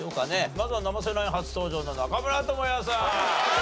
まずは生瀬ナイン初登場の中村倫也さん。